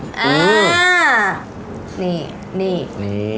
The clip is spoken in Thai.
อืม